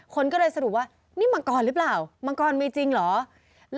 คนก็เลยสรุปว่านี่มังกรหรือเปล่ามังกรมีจริงเหรอ